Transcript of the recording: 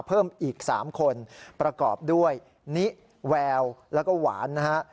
เพิ่มอีก๓คนประกอบด้วยนิแววแล้วก็หวานนะฮะ